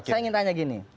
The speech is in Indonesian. saya ingin tanya begini